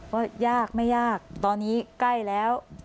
ว่ายากไม่ยากตอนนี้ใกล้แล้ว